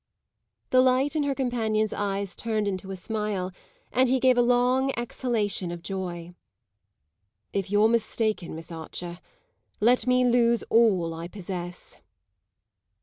The light in her companion's eyes turned into a smile, and he gave a long exhalation of joy. "If you're mistaken, Miss Archer, let me lose all I possess!"